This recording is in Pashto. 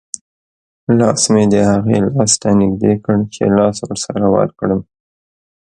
لاس مې د هغې لاس ته نږدې کړ چې لاس ورسره ورکړم.